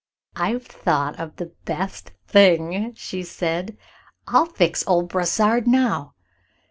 "I've thought of the best thing," she said. "I'll fix old Brossard now.